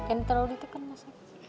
ini terlalu ditekan mas